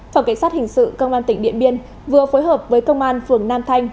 phòng cảnh sát hình sự công an tỉnh điện biên vừa phối hợp với công an phường nam thanh